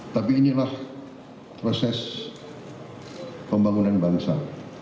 tapi inilah proses pembangunan bangsa